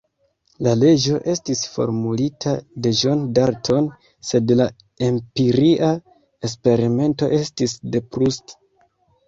La leĝo estis formulita de John Dalton, sed la empiria eksperimento estis de Proust.